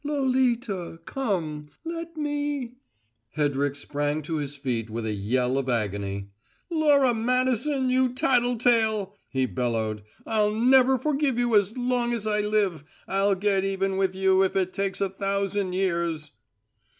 Lolita come! Let me " Hedrick sprang to his feet with a yell of agony. "Laura Madison, you tattle tale," he bellowed, "I'll never forgive you as long as I live! I'll get even with you if it takes a thousand years!"